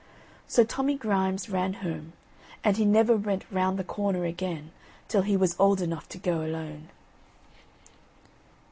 So Tommy Grimes ran home, and he never went round the corner again till he was old enough to go alone.